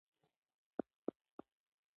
خپله ژبه په سمه توګه زده کړه.